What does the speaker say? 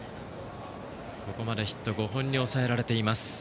ここまでヒット５本に抑えられています。